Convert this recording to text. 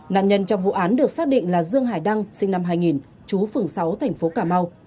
nạn nhân trong vụ án được xác định là dương hải đăng sinh năm hai nghìn chú phường sáu thành phố cà mau